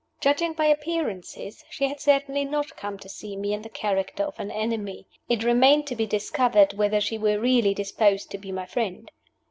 Judging by appearances, she had certainly not come to see me in the character of an enemy. It remained to be discovered whether she were really disposed to be my friend.